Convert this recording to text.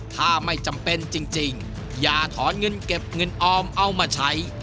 ถ้าไม่จำเป็นจริงอย่าถอนเงินเก็บเงินออมเอามาใช้